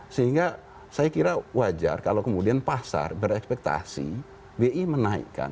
sehingga saya kira wajar kalau kemudian pasar berekspektasi bi menaikkan